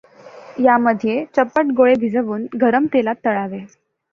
यामध्ये चप्पट गोळे भिजवून् गरम तेलात् तंळावे.